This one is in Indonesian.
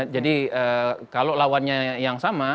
jadi kalau lawannya yang sama